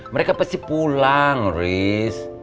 mereka pasti pulang riz